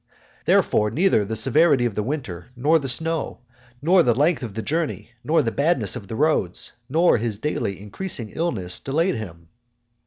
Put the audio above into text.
Therefore neither the severity of the winter, nor the snow, nor the length of the journey, nor the badness of the roads, nor his daily increasing illness, delayed him.